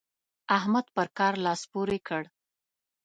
احمد پر کار لاس پورې کړ.